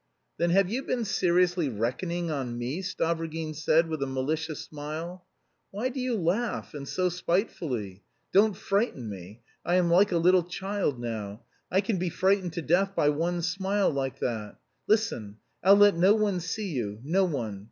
"Then have you been seriously reckoning on me?" Stavrogin said with a malicious smile. "Why do you laugh, and so spitefully? Don't frighten me. I am like a little child now. I can be frightened to death by one smile like that. Listen. I'll let no one see you, no one.